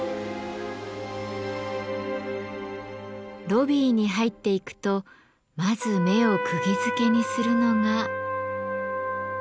ロビーに入っていくとまず目をくぎづけにするのが。